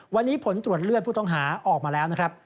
วันนี้ผลตรวจเลือดผู้ต้องหาออกมาแล้วนะครับ